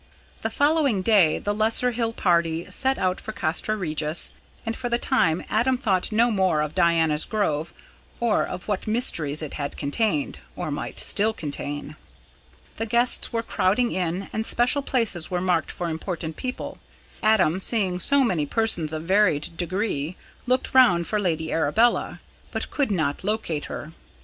The following day the Lesser Hill party set out for Castra Regis, and for the time Adam thought no more of Diana's Grove or of what mysteries it had contained or might still contain. The guests were crowding in, and special places were marked for important people. Adam, seeing so many persons of varied degree, looked round for Lady Arabella, but could not locate her.